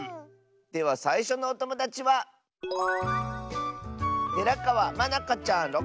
ではさいしょのおともだちはまなかちゃんの。